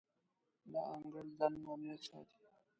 د انګړ دننه امنیت ساتي.